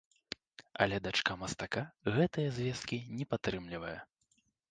Але дачка мастака гэтыя звесткі не падтрымлівае.